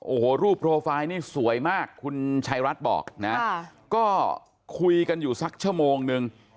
โอ้โหรูปโปรไฟล์นี่สวยมากคุณชายรัฐบอกนะก็คุยกันอยู่สักชั่วโมงนึง